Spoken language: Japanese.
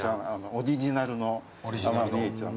オリジナルのアマビエちゃん。